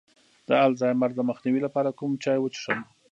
د الزایمر د مخنیوي لپاره کوم چای وڅښم؟